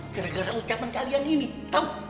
gara gara ucapan kalian ini toh